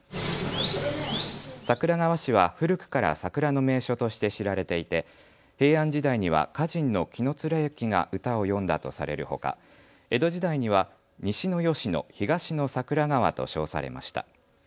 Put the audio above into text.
桜川市は古くから桜の名所として知られていて平安時代には歌人の紀貫之が歌を詠んだとされるほか江戸時代には西の吉野、東の桜川と称されました。